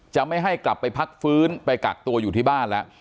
จะไม่ให้กลับไปพักฟื้นไปกักตัวอยู่ที่บ้านแล้ว